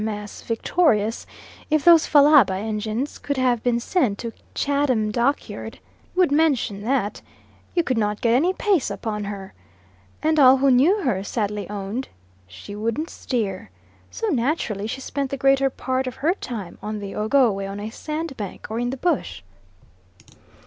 M.S. Victorious if those Fallaba engines could have been sent to Chatham dockyard, would mention that "you could not get any pace up on her"; and all who knew her sadly owned "she wouldn't steer," so naturally she spent the greater part of her time on the Ogowe on a sand bank, or in the bush.